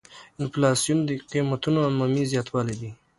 انفلاسیون د قیمتونو عمومي زیاتوالی دی.